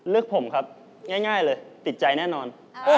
ผมครับง่ายเลยติดใจแน่นอน